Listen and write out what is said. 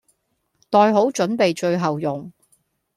袋好準備最後用。